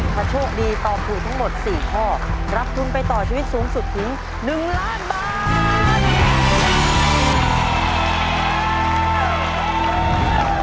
ถ้าโชคดีตอบถูกทั้งหมด๔ข้อรับทุนไปต่อชีวิตสูงสุดถึง๑ล้านบาท